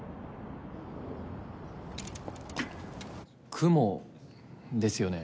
雲ですよね？